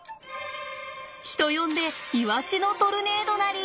人呼んでイワシのトルネードなり！